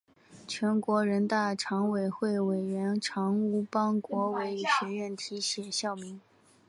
全国人大常委会委员长吴邦国为学院题写校名。